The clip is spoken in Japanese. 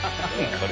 これ。